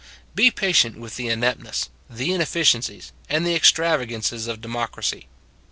Be patient with the ineptness, the ineffi ciencies, and the extravagances of democ racy.